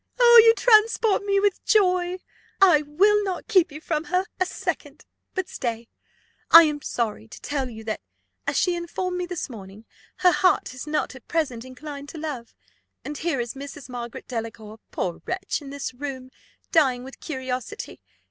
"You transport me with joy! I will not keep you from her a second. But stay I am sorry to tell you, that, as she informed me this morning, her heart is not at present inclined to love. And here is Mrs. Margaret Delacour, poor wretch, in this room, dying with curiosity.